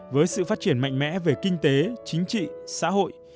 với sự phát triển mạnh mẽ về kinh tế chính trị xã hội